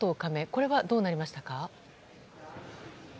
これはどうなりましたか？